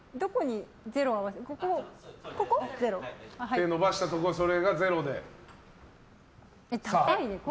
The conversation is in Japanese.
手を伸ばしたところがゼロで。